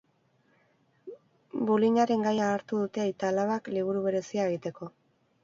Bullyingaren gaia hartu dute aita-alabak liburu berezia egiteko.